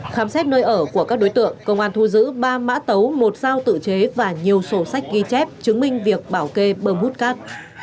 khám xét nơi ở của các đối tượng công an thu giữ ba mã tấu một dao tự chế và nhiều sổ sách ghi chép chứng minh việc bảo kê bơm hút cát